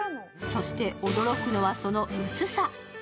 そして驚くのは、その薄さ。